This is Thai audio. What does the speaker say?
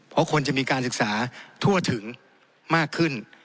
เพราะคนจะมีการศึกษาทั่วถึงมากขึ้น